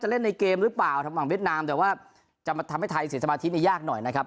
เล่นในเกมหรือเปล่าทางฝั่งเวียดนามแต่ว่าจะมาทำให้ไทยเสียสมาธินี่ยากหน่อยนะครับ